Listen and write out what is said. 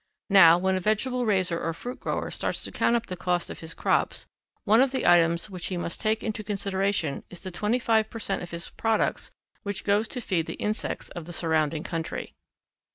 Now, when a vegetable raiser or fruit grower starts to count up the cost of his crops, one of the items which he must take into consideration is the 25 per cent. of his products which goes to feed the insects of the surrounding country.